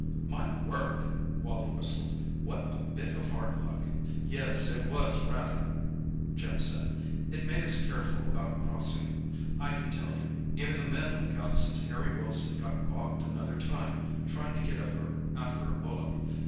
"My word!" Wally whistled. "What a bit of hard luck!" "Yes, it was, rather," Jim said. "It made us careful about crossing, I can tell you. Even the men look out since Harry Wilson got bogged another time, trying to get over after a bullock.